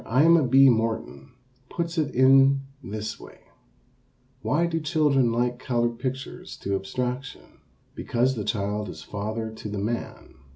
Aima B. Morton puts it in this way: Why do children like colored pictures to abstraction? Because the child is father to the man.